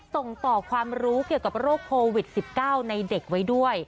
ส่งต่อความรู้เกี่ยวกับโรคโควิด๑๙ในเด็กไว้ด้วย